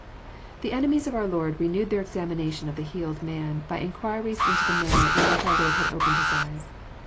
'] The enemies of our liord renewed their examination of the healed man, by in quiries into the manner in which onr Lord had opened his eyes.